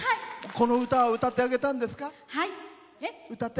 この歌は歌ってあげたんですか？